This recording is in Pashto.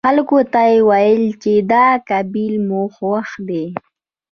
خلکو ته يې ويل چې دا کېبل مو خوښ دی.